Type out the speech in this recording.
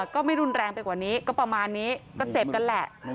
ก็ไม่รุนแรงไปกว่านี้ก็ประมาณนี้ก็เจ็บกันแหละ